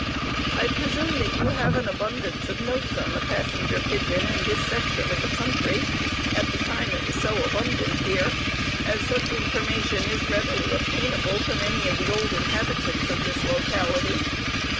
I presume that you have an abundance of notes on the Passenger Pigeon in this section of the country at the time it was so abundant here, as such information is readily obtainable from any of the old inhabitants of this locality.